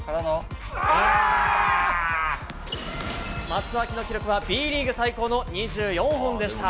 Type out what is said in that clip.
松脇の記録はＢリーグ最高の２４本でした。